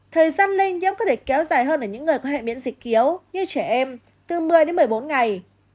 thời gian lây nhiễm có thể kéo dài hơn ở những người có hệ miễn dịch yếu như trẻ em từ một mươi đến một mươi bốn ngày